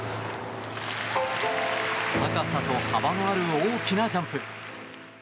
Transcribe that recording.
高さと幅のある大きなジャンプ。